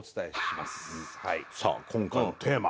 さあ今回のテーマ。